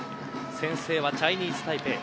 先制はチャイニーズタイペイ。